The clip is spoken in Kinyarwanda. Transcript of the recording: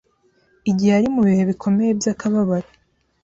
igihe ari mu bihe bikomeye by’akababaro